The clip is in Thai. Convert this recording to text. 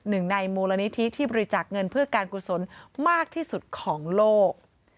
หนึ่งในมูลนิธิที่บริจาคเงินเพื่อการกุศลมากที่สุดของโลก